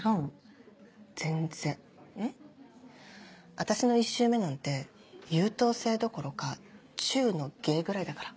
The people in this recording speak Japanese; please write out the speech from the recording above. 私の１周目なんて優等生どころか中の下ぐらいだから。